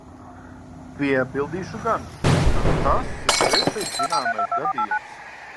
Piebildīšu gan, ka tas ir trešais zināmais gadījums.